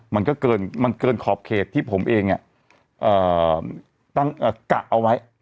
มันก็เกินขอบเขตที่ผมเองกะเอาไว้